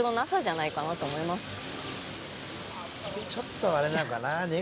ちょっとあれなのかな